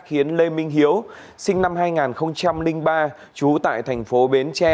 khiến lê minh hiếu sinh năm hai nghìn ba trú tại thành phố bến tre